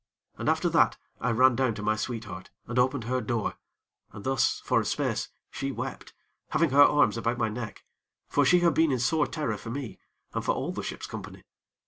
And after that I ran down to my sweetheart, and opened her door, and thus, for a space, she wept, having her arms about my neck; for she had been in sore terror for me, and for all the ship's company.